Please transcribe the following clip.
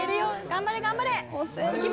頑張れ頑張れ！